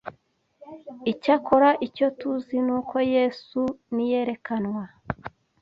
Icyakora, icyo tuzi ni uko Yesu niyerekanwa